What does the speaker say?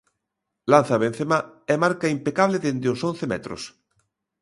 Lanza Benzemá e marca impecable dende os once metros.